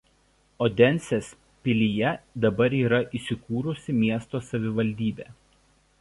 Odensės pilyje dabar yra įsikūrusi miesto savivaldybė.